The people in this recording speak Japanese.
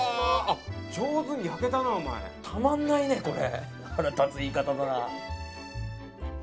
たまんないねこれ。